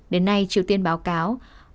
đến nay triều tiên báo cáo